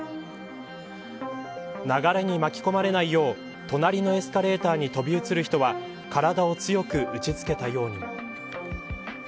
流れに巻き込まれないよう隣のエスカレーターに飛び移る人は体を強く打ち付けたようにも。